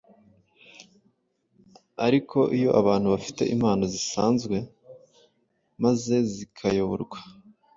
ariko iyo abantu bafite impano zisanzwe maze zikayoborwa